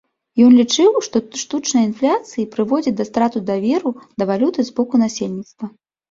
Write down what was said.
Ён лічыў, што штучная інфляцыі прыводзіць да страты даверу да валюты з боку насельніцтва.